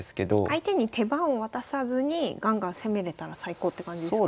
相手に手番を渡さずにガンガン攻めれたら最高って感じですか？